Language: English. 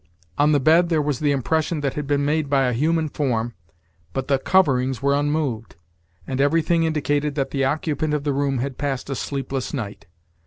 On the bed there was the impression that had been made by a human form, but the coverings were unmoved, and everything indicated that the occupant of the room had passed a sleepless night.